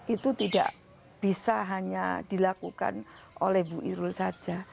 itu tidak bisa hanya dilakukan oleh bu irul saja